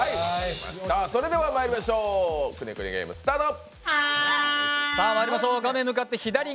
それではまいりましょう、くねくねゲームスタート！